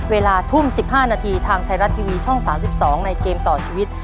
เวลาทุ่ม๑๕นาทีทางไทยรัฐทีวีช่อง๓๒ในเกมต่อชีวิต